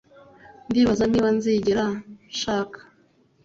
Ndibaza niba nzigera nshaka